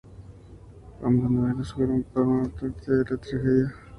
Ambas novelas forman parte de la tetralogía "El cementerio de los libros olvidados".